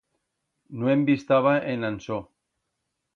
No en bi'staba en Ansó.